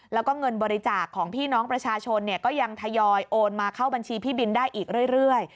แล้วก็เงินบริจาคของพี่น้องประชาชนก็ยังทยอยโอนมาเข้าบัญชีพี่บินได้อีกเรื่อย